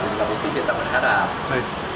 oleh sebab itu kita berharap